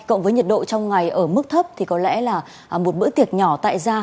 cộng với nhiệt độ trong ngày ở mức thấp thì có lẽ là một bữa tiệc nhỏ tại da